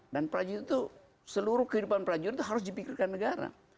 dan prajurit itu seluruh kehidupan prajurit itu harus dipikirkan negara